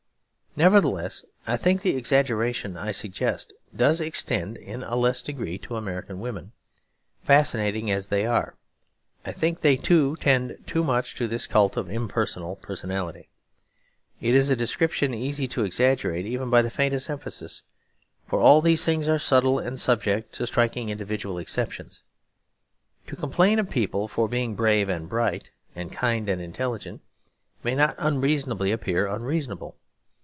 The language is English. Nevertheless, I think the exaggeration I suggest does extend in a less degree to American women, fascinating as they are. I think they too tend too much to this cult of impersonal personality. It is a description easy to exaggerate even by the faintest emphasis; for all these things are subtle and subject to striking individual exceptions. To complain of people for being brave and bright and kind and intelligent may not unreasonably appear unreasonable.